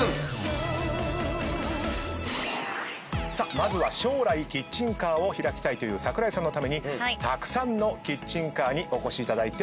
まずは将来キッチンカーを開きたいという桜井さんのためたくさんのキッチンカーにお越しいただいております。